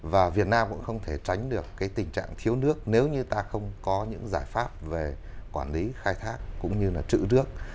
và việt nam cũng không thể tránh được cái tình trạng thiếu nước nếu như ta không có những giải pháp về quản lý khai thác cũng như là trữ nước